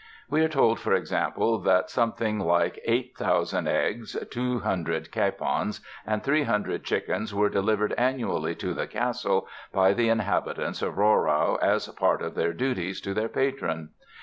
We are told for example, that something like 8000 eggs, 200 capons and 300 chickens were delivered annually to the castle by the inhabitants of Rohrau as part of their duties to their patron.)